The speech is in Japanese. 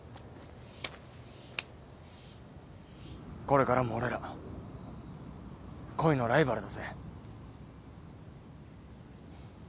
これからも俺ら恋のライバルだぜ。